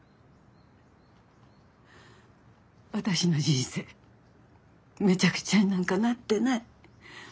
私の人生めちゃくちゃになんかなってない。